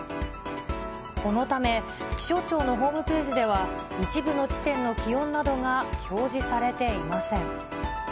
このため、気象庁のホームページでは一部の地点の気温などが表示されていません。